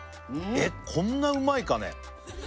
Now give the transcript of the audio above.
えっこんなうまいかね？